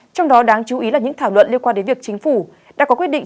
trong đó đáng chú ý là những thảo luận liên quan đến việc chính phủ đã có quyết định